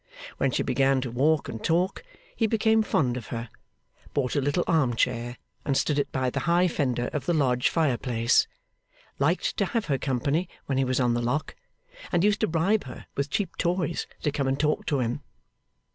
When she began to walk and talk, he became fond of her; bought a little arm chair and stood it by the high fender of the lodge fire place; liked to have her company when he was on the lock; and used to bribe her with cheap toys to come and talk to him.